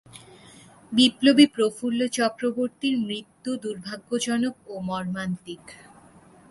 বিপ্লবী প্রফুল্ল চক্রবর্তীর মৃত্যু দুর্ভাগ্যজনক ও মর্মান্তিক।